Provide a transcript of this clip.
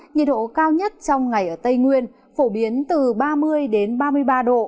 nhiệt độ cao nhất trong ngày ở tây nguyên phổ biến từ ba mươi ba mươi ba độ